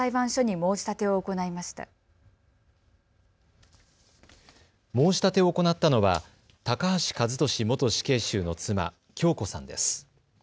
申し立てを行ったのは高橋和利元死刑囚の妻、京子さんです。